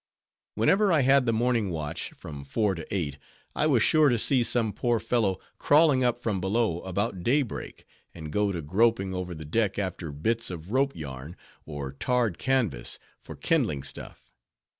Whenever I had the morning watch, from four to eight, I was sure to see some poor fellow crawling up from below about daybreak, and go to groping over the deck after bits of rope yarn, or tarred canvas, for kindling stuff.